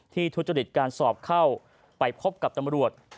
ทุจริตการสอบเข้าไปพบกับตำรวจ